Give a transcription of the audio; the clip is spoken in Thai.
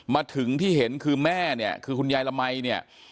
มาถึงที่เห็นคือแม่เนี่ยคือคุณยายละมัยเนี่ย